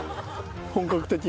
本格的に。